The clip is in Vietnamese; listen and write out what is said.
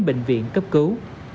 bệnh viện cấp cứu